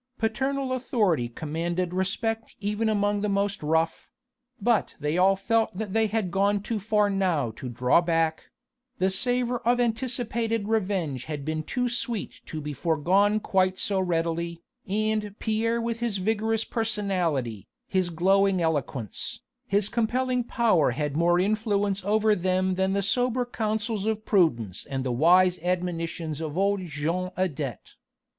Paternal authority commanded respect even among the most rough; but they all felt that they had gone too far now to draw back: the savour of anticipated revenge had been too sweet to be forgone quite so readily, and Pierre with his vigorous personality, his glowing eloquence, his compelling power had more influence over them than the sober counsels of prudence and the wise admonitions of old Jean Adet.